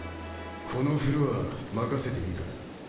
このフロア任せていいか？